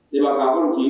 đến thành phố hồ chí minh